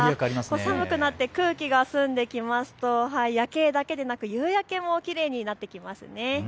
寒くなって空気が澄んできますと夜景だけでなく夕焼けもきれいになってきますね。